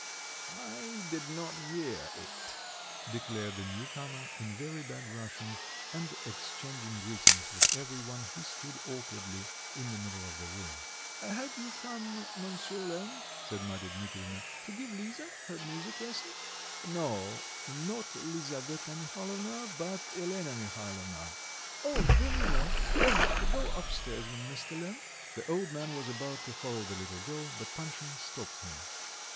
"I did not hear it," declared the new comer, in very bad Russian, and exchanging greetings with every one, he stood awkwardly in the middle of the room. "Have you come, Monsieur Lemm," said Marya Dmitrievna, "to give Lisa her music lesson?" "No, not Lisaveta Mihalovna, but Elena Mihalovna." "Oh! very well. Lenotchka, go up stairs with Mr. Lemm." The old man was about to follow the little girl, but Panshin stopped him.